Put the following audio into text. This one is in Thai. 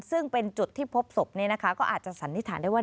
ซึ่งเป็นจุดที่พบศพนี้นะคะก็อาจจะสันนิษฐานได้ว่า